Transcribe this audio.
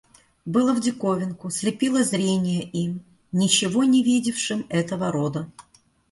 Было в диковинку, слепило зрение им, ничего не видевшим этого рода.